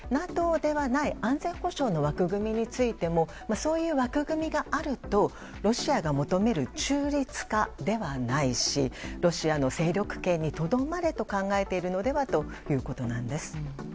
ＮＡＴＯではない安全保障の枠組みについてもそういう枠組みがあるとロシアが求める中立化ではないしロシアの勢力圏にとどまれと考えているのではということなんです。